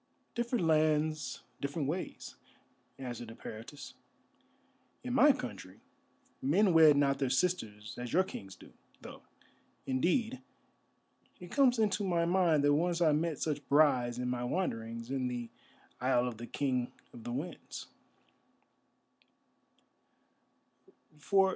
"Different lands, different ways," answered Eperitus. "In my country men wed not their sisters as your kings do, though, indeed, it comes into my mind that once I met such brides in my wanderings in the isle of the King of the Winds."